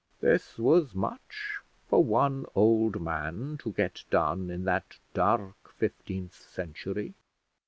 This was much for one old man to get done in that dark fifteenth century.